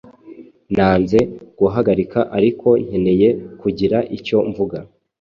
Nanze guhagarika, ariko nkeneye kugira icyo mvuga.